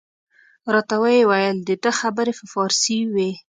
راته ویې ویل د ده خبرې په فارسي وې.